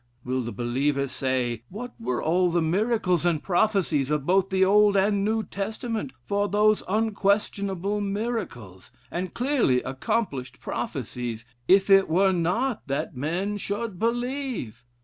will the believer say, what were all the miracles and prophecies of both the Old and the New Testament for those unquestionable miracles, and clearly accomplished prophecies, if it were not that men should believe?